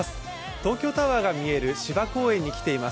東京タワーが見える芝公園に来ています。